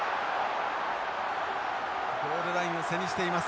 ゴールラインを背にしています。